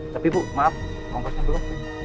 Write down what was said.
tapi bu maaf nongkosnya dulu